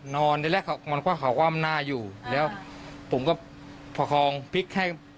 นอนในแรกเขามันก็เขากว้ามหน้าอยู่อ่าแล้วผมก็ผ่าคลองพลิกให้